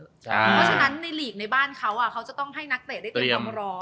เพราะฉะนั้นในหลีกในบ้านเขาเขาจะต้องให้นักเตะได้เตรียมความร้อน